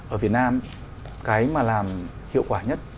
ở việt nam cái mà làm hiệu quả nhất